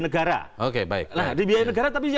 negara nah dibiaya negara tapi